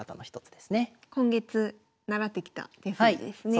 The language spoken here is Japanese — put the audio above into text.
今月習ってきた手筋ですね。